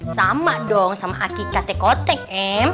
sama dong sama aki katekotek em